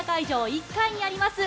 １階にあります